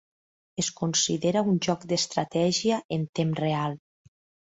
Es considera un joc d'estratègia en temps real.